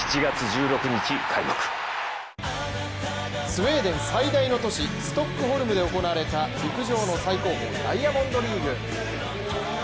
スウェーデン最大の都市ストックホルムで行われた陸上の最高峰ダイヤモンドリーグ。